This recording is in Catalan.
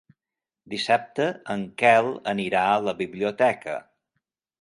Dissabte en Quel anirà a la biblioteca.